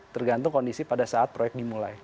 tergantung kondisi pada saat proyek dimulai